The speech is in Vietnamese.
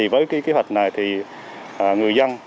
với kế hoạch này người dân